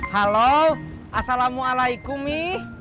halo assalamualaikum mi